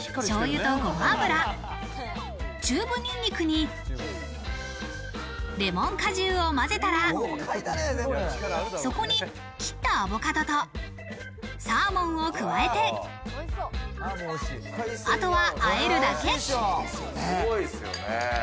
しょう油とごま油、チューブニンニクにレモン果汁を混ぜたら、そこに切ったアボカドとサーモンを加えて、あとは、あえるだけ。